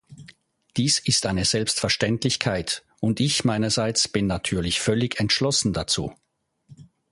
Dies ist eine Selbstverständlichkeit, und ich meinerseits bin natürlich völlig entschlossen dazu.